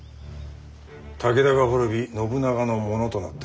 武田が滅び信長のものとなった。